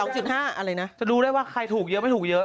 จะรู้ได้ว่าใครถูกเยอะหรือไม่ถูกเยอะ